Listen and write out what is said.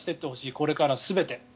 これから全て。